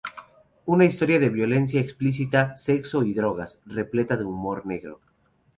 Una historia de violencia explícita, sexo y drogas, repleta de humor negro.